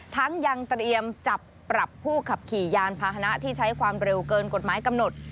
ทั้งยังเตรียมจับปรับผู้ขับขี่ยานพาหนะที่ใช้ความเร็วเกินกฎหมายกำหนด